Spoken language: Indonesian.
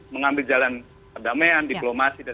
mengambil jalan damai dan diplomasi dan